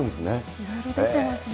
いろいろでてますね。